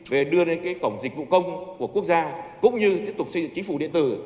về đưa lên cổng dịch vụ công của quốc gia cũng như tiếp tục xây dựng chính phủ điện tử